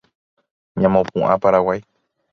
Ñamopu’ã Paraguay